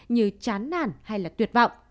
như chán nản hay là tuyệt vọng